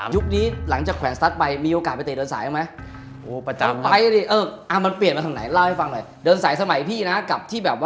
ยุคนี้หลังจากแขวนสตรัสไปมีโอกาสไปเตรียมเดินสายได้ไหม